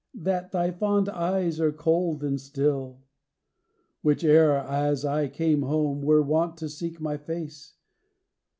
that thy fond eyes are cold and still? Which e'er as I came home, were wont to seek My face.